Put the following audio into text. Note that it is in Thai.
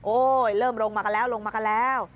เริ่มลงมากันแล้วลงมากันแล้ว